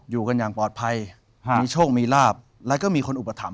อยู่กันอย่างปลอดภัยมีโชคมีลาบแล้วก็มีคนอุปถัมภ